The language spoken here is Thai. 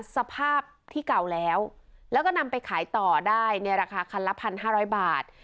สภาพที่เก่าแล้วแล้วก็นำไปขายต่อได้ในราคาคันละ๑๕๐๐บาท